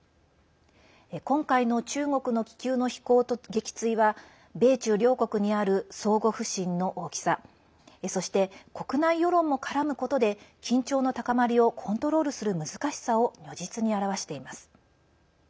今回の中国の気球の飛行と撃墜は米中両国にある相互不信の大きさそして、国内世論も絡むことで緊張の高まりをコントロールする難しさを如実に表しています。